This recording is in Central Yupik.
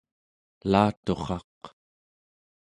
elaturraq